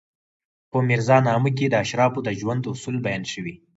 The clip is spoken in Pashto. په میرزا نامه کې د اشرافو د ژوند اصول بیان شوي.